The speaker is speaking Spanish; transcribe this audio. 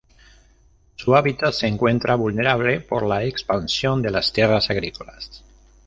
Su hábitat se encuentra vulnerable por la expansión de las tierras agrícolas.